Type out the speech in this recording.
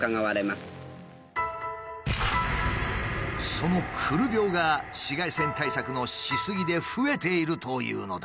そのくる病が紫外線対策のし過ぎで増えているというのだ。